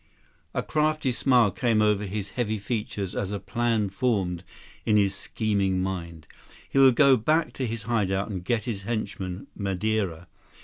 153 A crafty smile came over his heavy features as a plan formed in his scheming mind. He would go back to his hideout and get his henchman, Madeira.